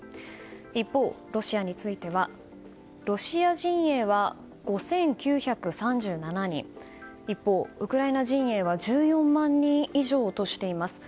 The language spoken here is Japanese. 一方、ロシアについてはロシア陣営は５９３７人一方、ウクライナ陣営は１４万人以上としています。